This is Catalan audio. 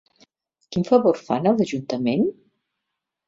Quin favor fan a l'Ajuntament?